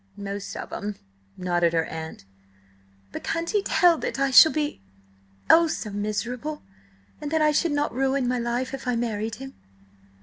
"Most of 'em," nodded her aunt. "But can't he tell that I shall be—oh, so miserable, and that I should not ruin my life if I married him?"